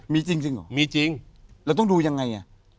มีจริงเหรอมีจริงเราต้องดูยังไงอ่ะ